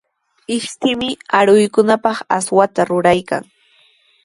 Ishtimi aruqninkunapaq aswata ruraykan.